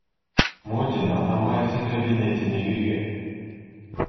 Модин Атамбаевдин кабинетине кирген.